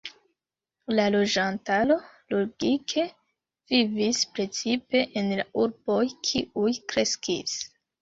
La loĝantaro logike vivis precipe en la urboj, kiuj kreskis.